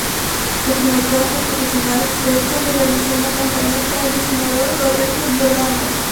Su primer trabajo profesional fue cuando realizó una campaña para el diseñador "Roberto Giordano".